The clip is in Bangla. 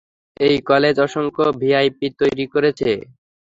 এই কলেজ অসংখ্য ভিআইপি তৈরী করেছে।